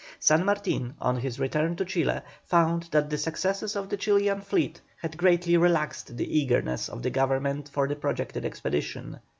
San Martin, on his return to Chile, found that the successes of the Chilian fleet had greatly relaxed the eagerness of the Government for the projected expedition.